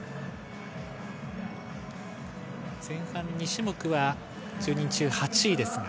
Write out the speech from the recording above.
前半２種目は１０人中８位です。